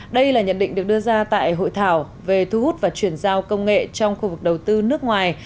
đây là nhận định được đưa ra tại hội thảo về thu hút và chuyển giao công nghệ trong khu vực đầu tư nước ngoài